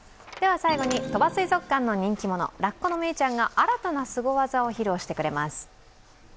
最後に、鳥羽水族館の人気者、ラッコのメイちゃんが新たなすご技を披露してくれます。